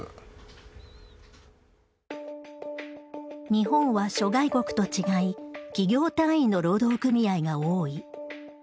日本は諸外国と違い企業単位の労働組合が多い。